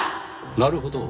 なるほど。